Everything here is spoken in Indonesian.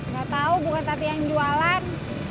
gak tau bukan hati yang jualan